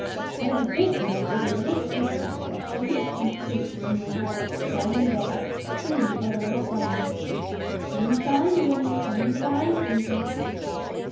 An ambition is a little creeper that creeps and creeps in your heart night and day, singing a little song, "Come and find me, come and find me."